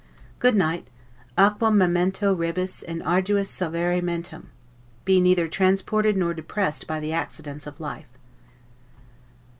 Good night: 'aquam memento rebus in arduis servare mentem': Be neither transported nor depressed by the accidents of life.